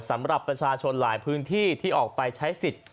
สำหรับประชาชนหลายพื้นที่ที่ออกไปใช้สิทธิ์